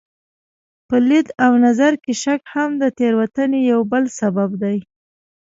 په لید او نظر کې شک هم د تېروتنې یو بل سبب دی.